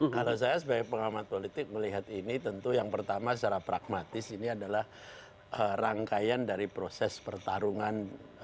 kalau saya sebagai pengamat politik melihat ini tentu yang pertama secara pragmatis ini adalah rangkaian dari proses pertarungan